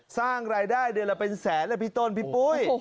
สร้างรายได้เดือนละเป็นแสนเลยพี่ต้นพี่ปุ้ย